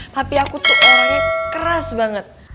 tapi aku tuh orangnya keras banget